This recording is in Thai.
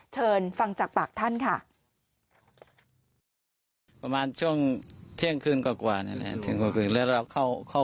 เชิญฟังจากปากท่านค่ะ